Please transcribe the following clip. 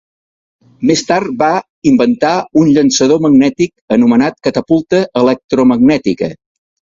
Més tard, va inventar un llançador magnètic anomenat catapulta electromagnètica.